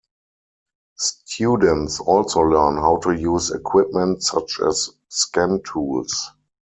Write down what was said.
Students also learn how to use equipment such as scan tools.